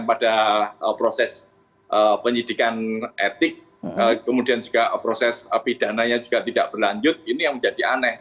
pada proses penyidikan etik kemudian juga proses pidananya juga tidak berlanjut ini yang menjadi aneh